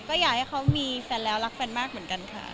ก็อยากให้เขามีแฟนแล้วรักแฟนมากเหมือนกันค่ะ